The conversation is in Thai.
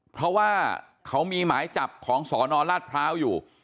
เพราะว่าเขามีหมายจับของสนราชพร้าวอยู่